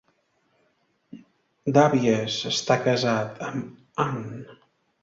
Davies està casat amb Ann.